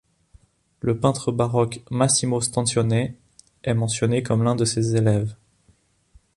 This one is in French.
Le peintre baroque Massimo Stanzione est mentionné comme l'un de ses élèves.